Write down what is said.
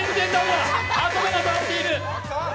頭が触っている。